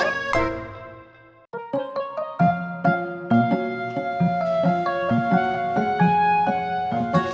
kok gak lamun